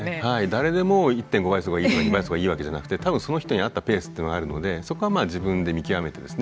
誰でも１．５倍速がいいとか２倍速がいいわけじゃなくて多分その人に合ったペースっていうのがあるのでそこはまあ自分で見極めてですね